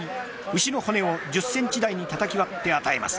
牛の骨を１０ｃｍ台にたたき割って与えます。